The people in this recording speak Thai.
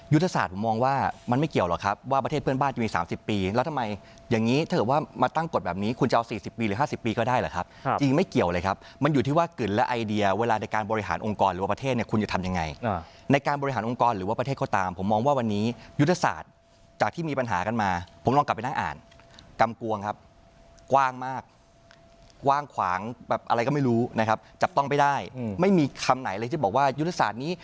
ยุทธศาสตร์ผมมองว่ามันไม่เกี่ยวหรอกครับว่าประเทศเพื่อนบ้านจะมี๓๐ปีแล้วทำไมอย่างนี้ถ้าเกิดว่ามาตั้งกฎแบบนี้คุณจะเอา๔๐ปีหรือ๕๐ปีก็ได้หรอครับจริงไม่เกี่ยวเลยครับมันอยู่ที่ว่ากลิ่นและไอเดียเวลาในการบริหารองค์กรหรือว่าประเทศเนี่ยคุณจะทำยังไงในการบริหารองค์กรหรือว่าประเท